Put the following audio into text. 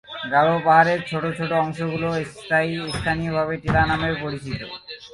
গারো পাহাড়ের ছোট ছোট অংশগুলো স্থানীয়ভাবে টিলা নামেও পরিচিত।